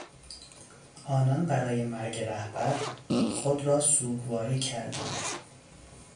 آنان برای مرگ رهبر خود را سوگواری کردند.